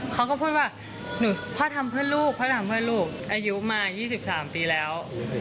เขาก็พูดว่าพ่อทำเพื่อลูกพ่อทำเพื่อลูกอายุมา๒๓ปีแล้ว